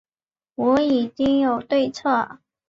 我已经有对策